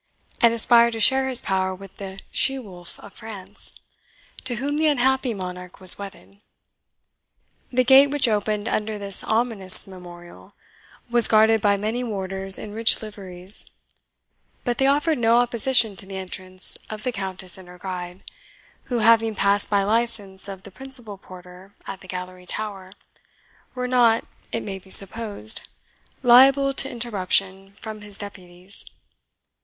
and aspired to share his power with the "She wolf of France," to whom the unhappy monarch was wedded. The gate, which opened under this ominous memorial, was guarded by many warders in rich liveries; but they offered no opposition to the entrance of the Countess and her guide, who, having passed by license of the principal porter at the Gallery tower, were not, it may be supposed, liable to interruption from his deputies.